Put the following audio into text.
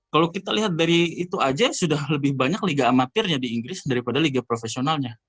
kalau kita lihat dari itu aja sudah lebih banyak liga amatirnya di inggris daripada liga profesionalnya